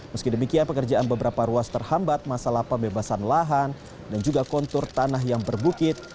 meski demikian pengerjaan beberapa ruas terhambat masalah pembebasan lahan dan juga kontur tanah yang berbukit